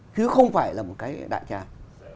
chứ không phải là một cái đại tràng